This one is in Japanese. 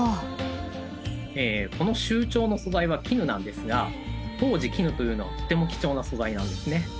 この繍帳の素材は絹なんですが当時絹というのはとても貴重な素材なんですね。